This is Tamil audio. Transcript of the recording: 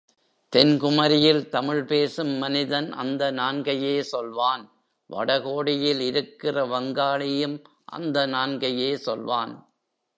தென் குமரியில் தமிழ் பேசும் மனிதன் அந்த நான்கையே சொல்வான் வடகோடியில் இருக்கிற வங்காளியும் அந்த நான்கையே சொல்வான்.